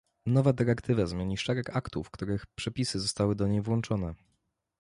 Nowa dyrektywa zmieni szereg aktów, których przepisy zostały do niej włączone